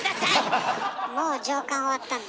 もう上巻終わったんだ。